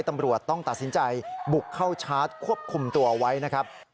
ตำรวจต้องตัดสินใจบุกเข้าชาร์จควบคุมตัวไว้นะครับ